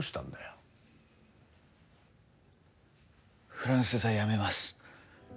フランス座、辞めます。